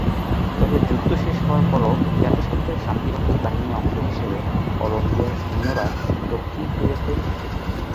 তবে যুদ্ধ শেষ হওয়ার পরও জাতিসংঘের শান্তিরক্ষী বাহিনীর অংশ হিসেবে কলম্বিয়ার সৈন্যরা দক্ষিণ কোরিয়াতে থেকে যান।